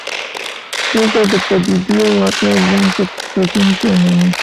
دلته د پدیدې واقعیت ځان په کتونکو مني.